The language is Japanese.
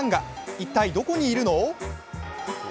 一体どこにいるの？